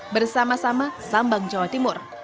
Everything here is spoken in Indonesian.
bersama sama sambang jawa timur